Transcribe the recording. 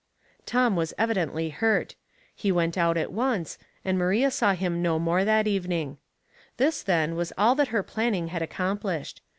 Tom was evidently hurt. He went out a^ Dehts and Doubts, 113 once, and Maria saw him no more that evening. This, then, was all that her planning had accom plished.